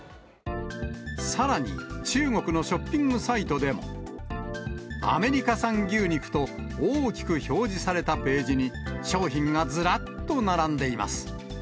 さらに、中国のショッピングサイトでも、アメリカ産牛肉と大きく表示されたページに、商品がずらっと並んでいます。